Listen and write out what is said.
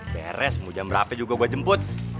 beres mau jam berapa juga gue jemput